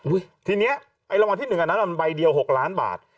อุ้ยทีเนี้ยไอ้ละวัลที่หนึ่งอันนั้นมันใบเดียวหกล้านบาท